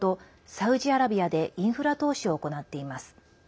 サウジアラビアでインフラ投資を行っています。